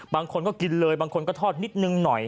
บางคนก็กินเลยบางคนก็ทอดนิดนึงหน่อย